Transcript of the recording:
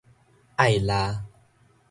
愛抐